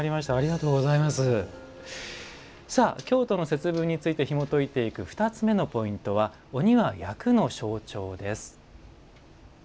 京都の節分についてひもといていく２つ目のポイントは「鬼は“厄”の象徴」です。